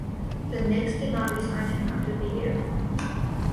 The Knicks did not re-sign him after the year.